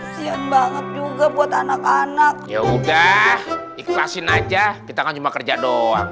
kasian banget juga buat anak anak ya udah ikhlasin aja kita kan cuma kerja doang